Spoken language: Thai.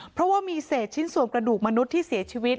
เพราะว่ามีเศษชิ้นส่วนกระดูกมนุษย์ที่เสียชีวิต